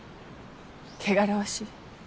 汚らわしい？